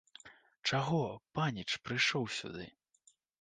Чаго, паніч, прыйшоў сюды?